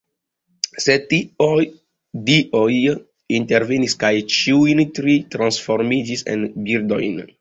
Sed dioj intervenis kaj ĉiujn tri transformis en birdojn.